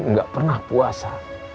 nggak pernah puasa